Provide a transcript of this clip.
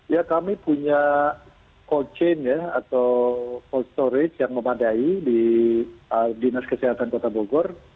ya kami punya cold chain ya atau cold storage yang memadai di dinas kesehatan kota bogor